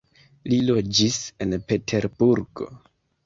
Li loĝis en Peterburgo.